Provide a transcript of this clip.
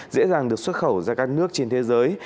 dễ dàng được xuất khẩu ra các nước trên thế giới